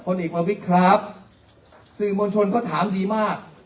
เอกประวิทย์ครับสื่อมวลชนก็ถามดีมาก